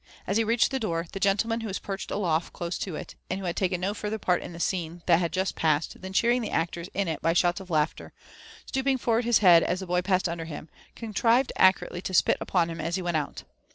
As he reached the door, the gentleman who was perched aloft close to it, and who had taken no farther part in the scene that had just passed than cheering the actors in it by shouts of laughter, stooping forward his head as the boy passed under him, contrived accurately to spit upon him as he went out.